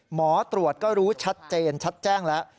หมอตรวจก็รู้ชัดเจนชัดแจ้งแล้ว